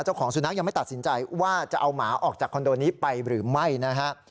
เจ้าของสุนัขยังไม่ตัดสินใจว่าจะเอาหมาออกจากคอนโดนี้ไปหรือไม่นะฮะ